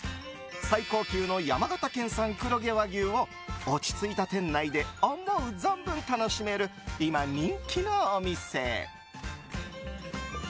最高級の山形県産黒毛和牛を落ち着いた店内で思う存分楽しめる、今人気のお店。